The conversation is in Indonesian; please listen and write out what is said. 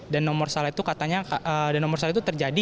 dan nomor salah itu terjadi